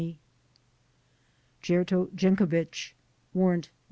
Jerto Jenkovich (Warrant No.